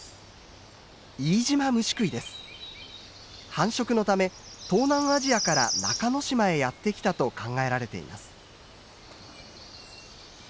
繁殖のため東南アジアから中之島へやって来たと考えられています。